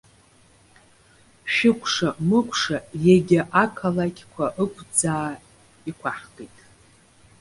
Шәыкәша-мыкәша иагьа ақалақьқәа ықәӡаа иқәаҳгеит.